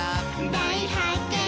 「だいはっけん」